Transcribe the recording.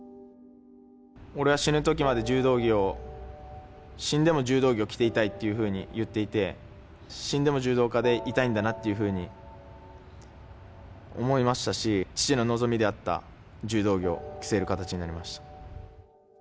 俺は死ぬときまで柔道着を、死んでも柔道着を着ていたいというふうに言っていて、死んでも柔道家でいたいんだなっていうふうに思いましたし、父の望みであった柔道着を着せる形になりました。